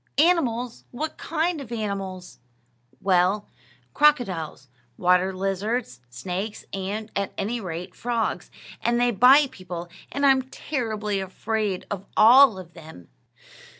"Animals! What kind of animals?" "Well, crocodiles, water lizards, snakes, and, at any rate, frogs; and they bite people, and I'm terribly afraid of all of them."